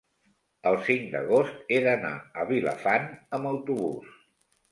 el cinc d'agost he d'anar a Vilafant amb autobús.